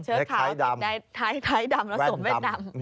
ขาวติดในท้ายดำแล้วสวมแว่นดำ